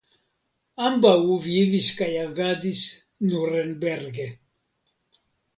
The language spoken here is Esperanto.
Ambaŭ vivis kaj agadis Nurenberge.